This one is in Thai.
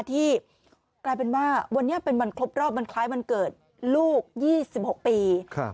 ที่กลายเป็นว่าวันนี้เป็นวันครบรอบวันคล้ายวันเกิดลูก๒๖ปี